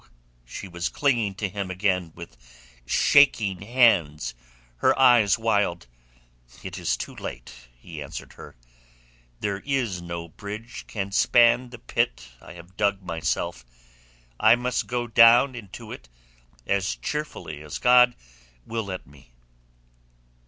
She was clinging to him again with shaking hands, her eyes wild. "It is too late," he answered her. "There is no bridge can span the pit I have dug myself. I must go down into it as cheerfully as God will let me."